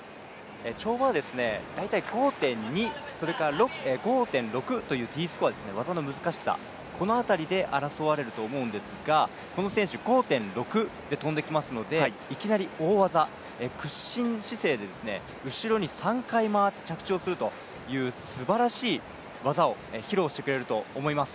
跳馬は、大体５．２、５．６というＤスコア、技の難しさ、このあたりで争われると思うんですがこの選手、５．６で跳んできますのでいきなり大技、屈身姿勢で後ろに３回、回って着地をするというすばらしい技を披露してくれると思います。